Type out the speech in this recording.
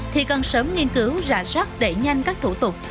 thì cần sớm nghiên cứu giả sát để nhanh các thủ tục